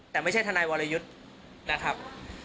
แต่ไม่ใช่ทนายวรยุทธ์นะครับ